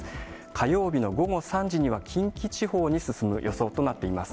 火曜日の午後３時には、近畿地方に進む予想となっています。